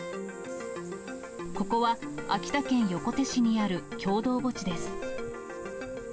ここは秋田県横手市にある共同墓地です。